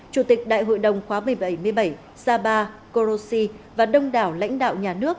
chủ tịch đại hội đồng khóa bảy mươi bảy sabah khorosi và đông đảo lãnh đạo nhà nước